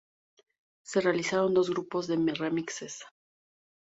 Se realizaron dos grupos de remixes.